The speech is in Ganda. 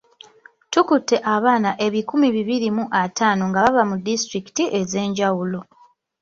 Tukutte abaana ebikumi bibiri mu ataano nga bava mu disitulikiti ez’enjawulo.